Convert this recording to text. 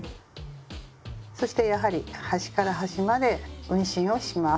そしてやはり端から端まで運針をします。